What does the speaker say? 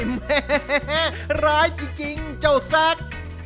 แม่ร้ายจริงจริงเจ้าแซค